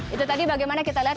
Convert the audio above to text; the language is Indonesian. itu tadi bagaimana kita lihat